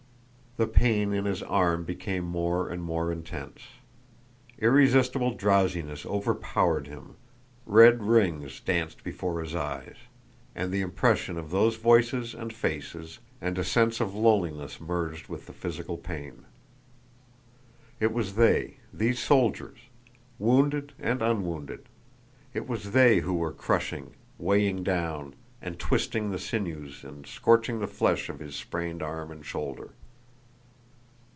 The pain in his arm became more and more intense. Irresistible drowsiness overpowered him, red rings danced before his eyes, and the impression of those voices and faces and a sense of loneliness merged with the physical pain. It was they, these soldiers—wounded and unwounded—it was they who were crushing, weighing down, and twisting the sinews and scorching the flesh of his sprained arm and shoulder.